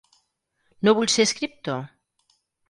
¿No vull ser escriptor?